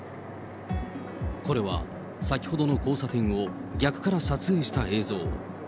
これは、先ほどの交差点を逆から撮影した映像。